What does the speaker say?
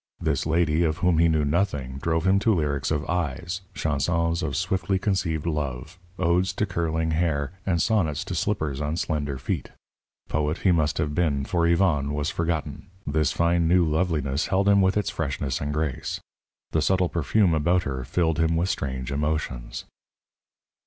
This lady of whom he knew nothing drove him to lyrics of eyes, chansons of swiftly conceived love, odes to curling hair, and sonnets to slippers on slender feet. Poet he must have been, for Yvonne was forgotten; this fine, new loveliness held him with its freshness and grace. The subtle perfume about her filled him with strange emotions.